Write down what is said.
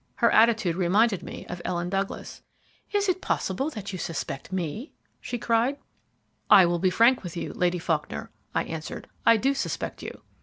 Her attitude reminded me of Ellen Douglas. "Is it possible that you suspect me?" she cried. "I will be frank with you, Lady Faulkner," I answered. "I do suspect you."